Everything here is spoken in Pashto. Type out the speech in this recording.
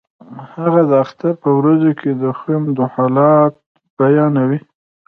هغه د اختر په ورځو کې د خویندو حالت بیانوي